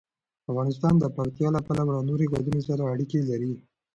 افغانستان د پکتیا له پلوه له نورو هېوادونو سره اړیکې لري.